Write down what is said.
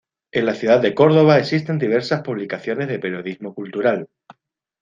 En la ciudad de Córdoba existen diversas publicaciones de periodismo cultural.